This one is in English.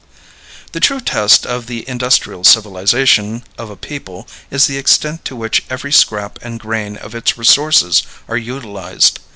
The true test of the industrial civilization of a people is the extent to which every scrap and grain of its resources are utilized.